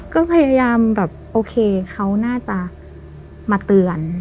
ก็พยายามแบบโอเคเขาน่าจะมาเตือน